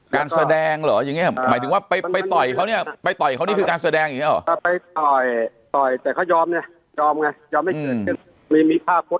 การแสดงเหรออย่างนี้หมายถึงว่าไปต่อยเขาเนี่ยไปต่อยเขานี่คือการแสดงอย่างนี้หรอ